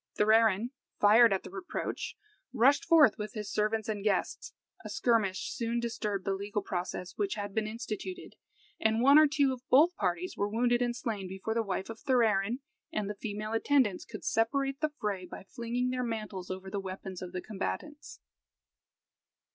Thorarin, fired at the reproach, rushed forth with his servants and guests; a skirmish soon disturbed the legal process which had been instituted, and one or two of both parties were wounded and slain before the wife of Thorarin and the female attendants could separate the fray by flinging their mantles over the weapons of the combatants.